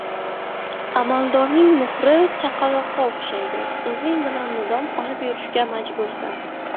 – amaldorning muhri chaqaloqqa o‘xshaydi: o‘zing bilan mudom olib yurishga majbursan;